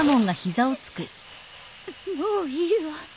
もういいわ。